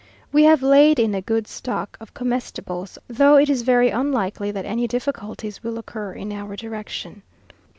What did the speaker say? We have laid in a good stock of comestibles, though it is very unlikely that any difficulties will occur in our direction.